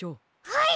はい！